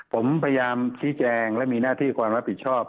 ผมพยายามชี้แจงและมีหน้าที่ความรับผิดชอบ